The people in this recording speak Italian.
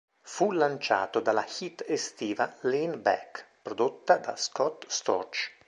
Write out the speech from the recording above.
Fu lanciato dalla hit estiva "Lean Back", prodotta da Scott Storch.